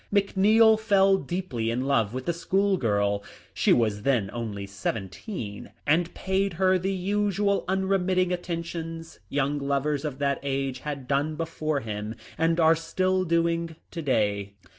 McNeil fell deeply in love with the school girl — she was then only seventeen — and paid her the usual unremitting attentions young lovers of that age had done before him and are still doing to day.